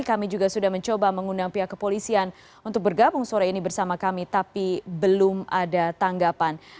kami juga sudah mencoba mengundang pihak kepolisian untuk bergabung sore ini bersama kami tapi belum ada tanggapan